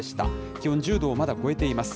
気温１０度をまだ超えています。